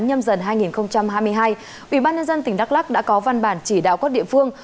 nhâm dần hai nghìn hai mươi hai ủy ban nhân dân tỉnh đắk lắc đã có văn bản chỉ đạo các địa phương